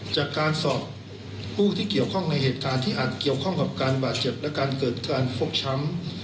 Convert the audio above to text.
จากการสอบผู้ที่เกี่ยวข้องในเหตุการณ์ที่อาจเกี่ยวข้องกับการบาดเจ็บและการเกิดการฟกช้ำ